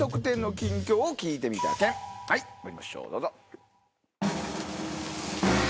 まいりましょうどうぞ！